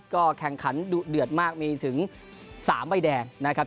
ก็แข่งขันดุเดือดมากมีถึง๓ใบแดงนะครับ